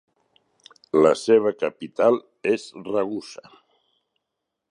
La seva capital és Ragusa.